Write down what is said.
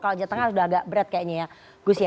kalau jawa tengah sudah agak berat kayaknya ya gus ya